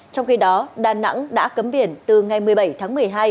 trong khi đó đà nẵng đã cấm biển từ ngày một mươi bảy tháng một mươi hai